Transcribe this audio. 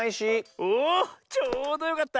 おちょうどよかった。